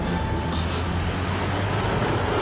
あっ！